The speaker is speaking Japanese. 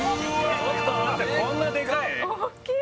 ちょっと待ってこんなデカい大きい！